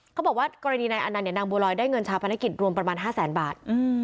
เขาบอกว่ากรณีนายอันนั้นนางบัวลอยได้เงินชาวพนักกิจรวมประมาณ๕แสนบาท